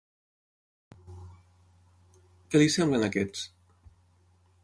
Què li semblen aquests??